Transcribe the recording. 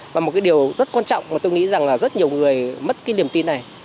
và một cái điều rất quan trọng mà tôi nghĩ rằng là rất nhiều người mất cái niềm tin này